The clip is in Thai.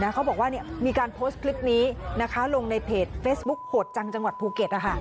เขาบอกว่ามีการโพสต์คลิปนี้ลงในเพจเฟซบุ๊คโหดจังจังหวัดภูเก็ต